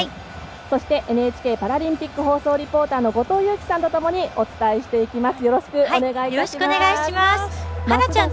そして、ＮＨＫパラリンピック放送リポーターの後藤佑季さんとともにお伝えします。